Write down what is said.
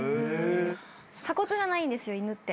鎖骨がないんですよ犬って。